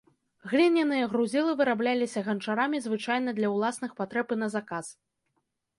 Гліняныя грузілы вырабляліся ганчарамі звычайна для ўласных патрэб і на заказ.